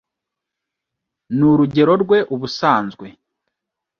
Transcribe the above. N'urugero rwe ubusanzwe